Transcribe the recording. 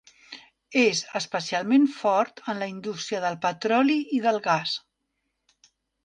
És especialment fort en la indústria del petroli i del gas.